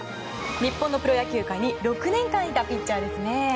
日本のプロ野球界に６年間いたピッチャーですね。